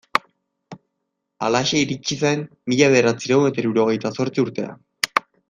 Halaxe iritsi zen mila bederatziehun eta hirurogeita zortzi urtea.